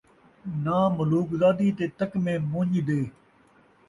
ناں ملوک زادی تے تکمے من٘ڄ دے